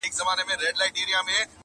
نو دا څنکه د ده څو چنده فایده ده.